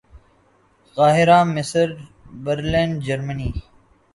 قاہرہ مصر برلن جرمنی